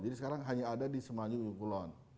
jadi sekarang hanya ada di semenanjung ujung kulon